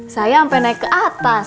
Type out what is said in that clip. saya sampai naik ke atas